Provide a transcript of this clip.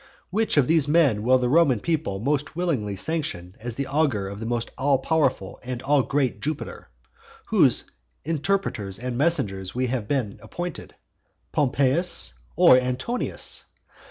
Which of these men will the Roman people most willingly sanction as the augur of the all powerful and all great Jupiter, whose interpreters and messengers we have been appointed, Pompeius or Antonius?